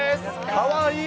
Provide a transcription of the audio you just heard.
かわいい。